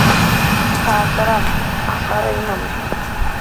Дҭаацәаран, ахшара имамызт.